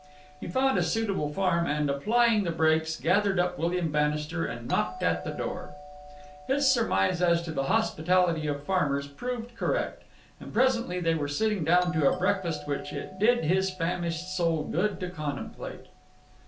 He found a suitable farm and, applying the brakes, gathered up William Bannister and knocked at the door. His surmise as to the hospitality of farmers proved correct, and presently they were sitting down to a breakfast which it did his famished soul good to contemplate.